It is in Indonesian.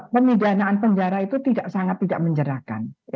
pemidanaan penjara itu tidak sangat tidak menjerahkan